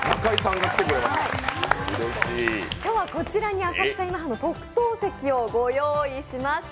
今日はこちらに浅草今半の特等席をご用意いたしました。